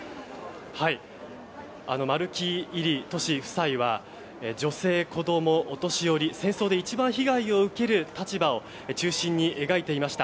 丸木位里・俊夫妻は女性、子ども、お年寄り戦争で一番被害を受ける立場を中心に描いていました。